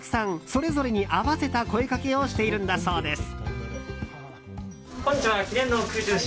それぞれに合わせた声掛けをしているんだそうです。